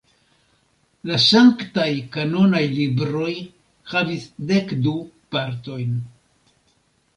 La sanktaj kanonaj libroj havis dek du partojn.